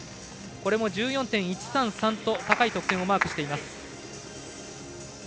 これも１４．１３３と高い得点をマークしています。